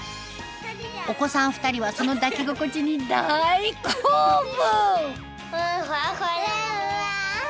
お子さん２人はその抱き心地に大興奮！